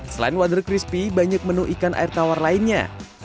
selain water crispy banyak menu ikan air tawar lainnya